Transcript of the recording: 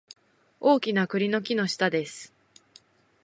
大きな栗の木の下です